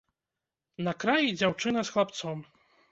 На краі дзяўчына з хлапцом.